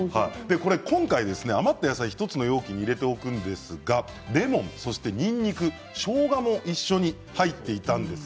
今回、余った野菜を１つの容器に入れておくんですがレモン、にんにく、しょうがも一緒に入っていたんです。